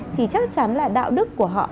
thì chắc chắn là đạo đức của họ